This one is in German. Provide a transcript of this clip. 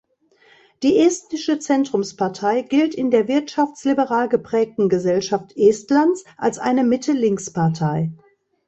Die Estnische Zentrumspartei gilt in der wirtschaftsliberal geprägten Gesellschaft Estlands als eine Mitte-links-Partei.